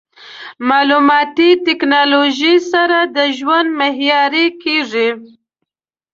مالوماتي ټکنالوژي سره د ژوند معیاري کېږي.